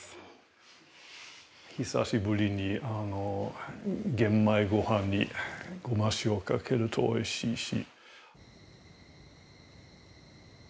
久しぶりに玄米ご飯にごま塩かけるとおいしいし。